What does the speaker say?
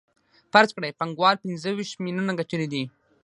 فرض کړئ پانګوال پنځه ویشت میلیونه ګټلي دي